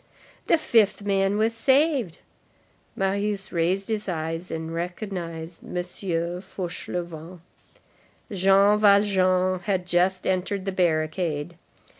The fifth man was saved. Marius raised his eyes and recognized M. Fauchelevent. Jean Valjean had just entered the barricade.